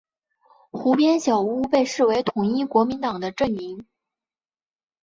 湖边小屋被视为统一国民党的阵营。